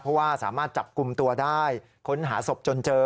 เพราะว่าสามารถจับกลุ่มตัวได้ค้นหาศพจนเจอ